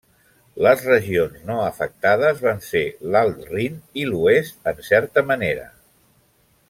Les regions no afectades van ser l'Alt Rin, i l'oest en certa manera.